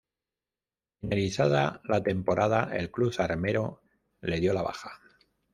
Finalizada la temporada el club "armero" le dió la baja.